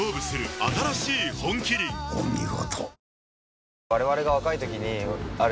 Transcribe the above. お見事。